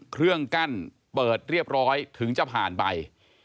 เครื่องกั้นเปิดเรียบร้อยถึงจะผ่านไป